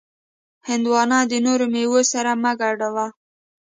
هندوانه د نورو میوو سره مه ګډوه.